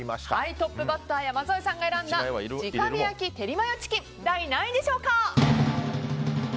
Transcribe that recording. トップバッター山添さんが選んだ直火焼テリマヨチキン第何位でしょうか。